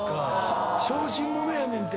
小心者やねんて。